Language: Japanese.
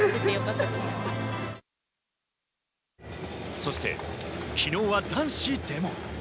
そして昨日は男子でも。